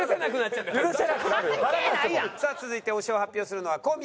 さあ続いて推しを発表するのは小宮。